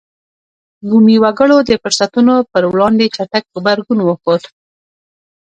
بومي وګړو د فرصتونو پر وړاندې چټک غبرګون وښود.